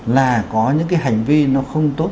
là có những cái hành vi nó không tốt